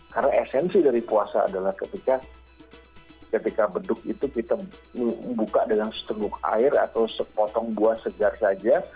karena esensi dari puasa adalah ketika beduk itu kita buka dengan setengah air atau sepotong buah segar saja